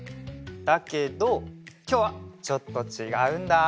だけどきょうはちょっとちがうんだ。